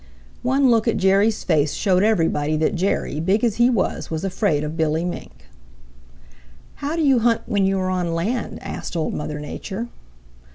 One look at Jerry's face showed everybody that Jerry, big as he was, was afraid of Billy Mink. "How do you hunt when you are on land?" asked Old Mother Nature.